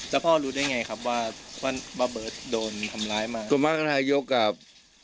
แล้วพ่อรู้ได้ไงครับว่าบ้าเบิร์ตโดนทำร้ายมาส่วนมากนายกกับ